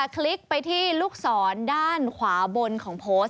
คลิกไปที่ลูกศรด้านขวาบนของโพสต์